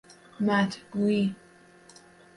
مدح گوئی